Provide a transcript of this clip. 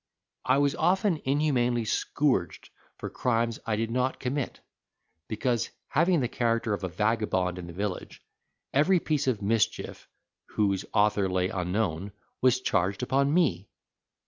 I was often inhumanly scourged for crimes I did not commit, because, having the character of a vagabond in the village, every piece of mischief, whose author lay unknown, was charged upon me.